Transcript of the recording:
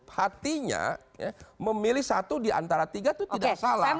hatinya memilih satu diantara tiga itu tidak salah